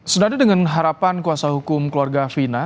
sedara dengan harapan kuasa hukum keluarga vina